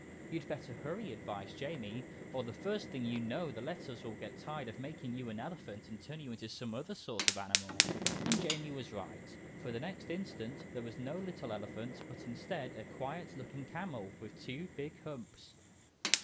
"You'd better hurry," advised Jamie, "or the first thing you know the Letters will get tired of making you an elephant, and turn into some other sort of animal." And Jamie was right, for the next instant there was no little elephant, but instead, a quiet looking camel, with two big humps.